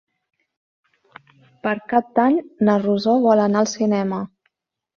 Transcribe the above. Per Cap d'Any na Rosó vol anar al cinema.